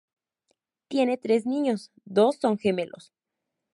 Tienen tres niños; dos son gemelos.